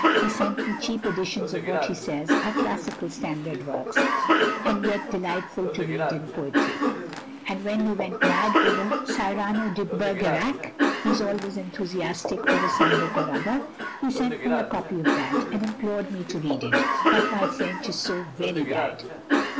He sent me cheap editions of what he says are classical standard works, and yet delightful to read, and poetry. And when he went mad over Cyrano de Bergerac (he is always enthusiastic over some book or other) he sent me a copy of that, and implored me to read it. But my French is so very bad.